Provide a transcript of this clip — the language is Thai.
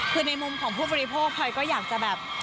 คือในมุมของผู้บริโภคพลอยก็อยากจะแบบ